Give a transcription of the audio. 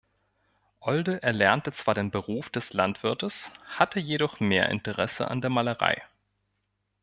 Olde erlernte zwar den Beruf des Landwirtes, hatte jedoch mehr Interesse an der Malerei.